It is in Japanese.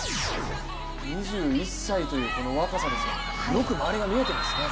２１歳という若さですよ、よく周りが見えていますよね。